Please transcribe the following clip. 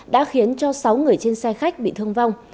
đã khiến cho sáu người trên xe khách bị thương vong